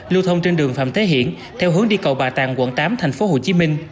lưu thông trên đường phạm thế hiển theo hướng đi cầu bà tàn quận tám tp hcm